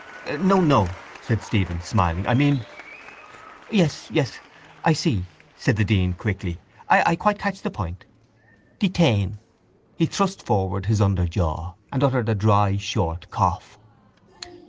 —No, no, said Stephen, smiling, I mean...— —Yes, yes; I see, said the dean quickly, I quite catch the point: detain. He thrust forward his under jaw and uttered a dry short cough.